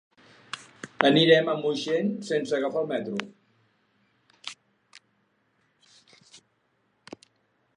Anirem a Moixent sense agafar el metro.